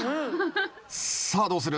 さあどうする？